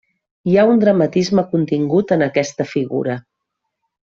Hi ha un dramatisme contingut en aquesta figura.